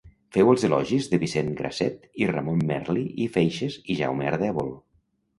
Feu els elogis de Vicenç Grasset i Ramon Merli i Feixes i Jaume Ardèvol.